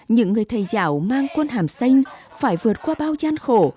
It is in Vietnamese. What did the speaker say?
những người thầy giáo mang quân hàm xanh phải vượt qua bao gian khổ